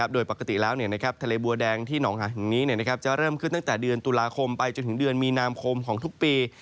โดยปกติแล้วทะเลบัวแดงที่หนองหาแห่งนี้จะเริ่มขึ้นตั้งแต่เดือนตุลาคมไปจนถึงเดือนมีนาคมของทุกปี